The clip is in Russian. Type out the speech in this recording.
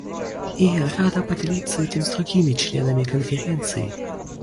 И я рада поделиться этим с другими членами Конференции.